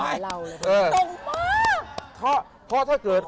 ทำไมเราเลยตรงมากตรงมากตรงมาก